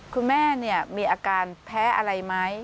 คุณแม่มีอาการแพ้อะไรไหม